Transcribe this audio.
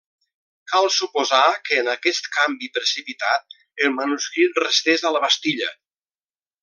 Cal suposar que, en aquest canvi precipitat, el manuscrit restés a La Bastilla.